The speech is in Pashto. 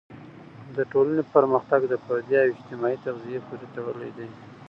د ټولنې پرمختګ د فردي او اجتماعي تغذیې پورې تړلی دی.